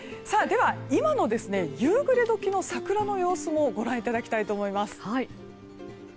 では今の夕暮れ時の桜の様子もご覧いただきたいと思います。